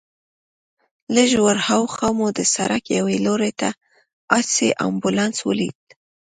لږ ورهاخوا مو د سړک یوې لور ته آسي امبولانس ولید.